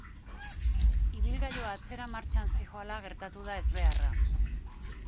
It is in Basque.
Ibilgailua atzera-martxan zihoala gertatu da ezbeharra.